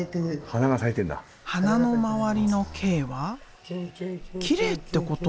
花の周りの「Ｋ」はきれいってこと？